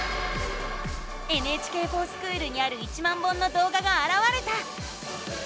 「ＮＨＫｆｏｒＳｃｈｏｏｌ」にある１万本のどうががあらわれた！